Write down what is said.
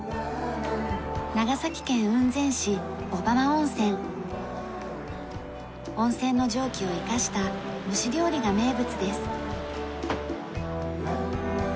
温泉の蒸気を生かした蒸し料理が名物です。